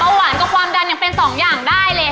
ถนัดเบาหวานกับความดันยังเป็นทั้ง๒อย่างได้เลย